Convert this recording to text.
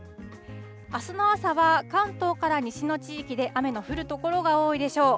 あすの朝は関東から西の地域で雨の降る所が多いでしょう。